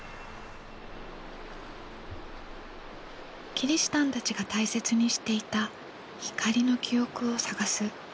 キリシタンたちが大切にしていた光の記憶を探す。